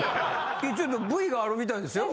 ちょっとＶがあるみたいですよ。